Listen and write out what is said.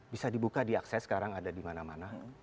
bisa dibuka diakses sekarang ada dimana mana